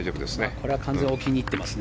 これは完全に置きにいっていますね。